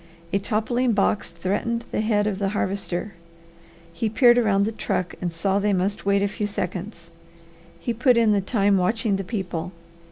A toppling box threatened the head of the Harvester. He peered around the truck and saw they must wait a few seconds. He put in the time watching the people.